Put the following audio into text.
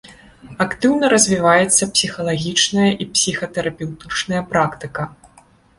Актыўна развіваецца псіхалагічная і псіхатэрапеўтычная практыка.